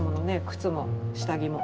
靴も下着も。